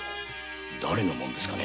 誰の紋ですかね？